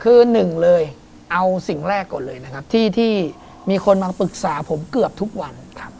คือหนึ่งเลยเอาสิ่งแรกก่อนเลยนะครับที่มีคนมาปรึกษาผมเกือบทุกวัน